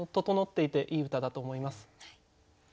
整っていていい歌だと思います。